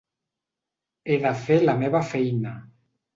He de fer la meva feina.